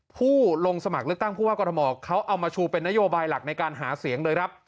ผู้ลงสมัครเลือกตั้งผู้ว่ากรทมเขาเอามาชูเป็นนโยบายหลักในการหาเสียงเลยครับ